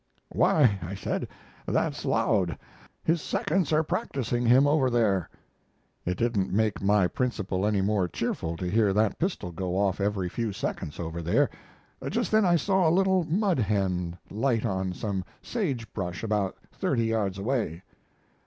"Why," I said, "that's Laud. His seconds are practising him over there." It didn't make my principal any more cheerful to hear that pistol go off every few seconds over there. Just then I saw a little mud hen light on some sage brush about thirty yards away.